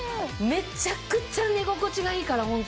めちゃくちゃ寝心地がいいからホントに。